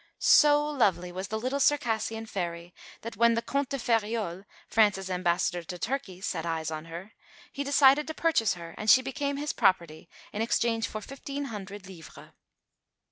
So lovely was the little Circassian fairy that when the Comte de Feriol, France's Ambassador to Turkey, set eyes on her, he decided to purchase her; and she became his property in exchange for fifteen hundred livres.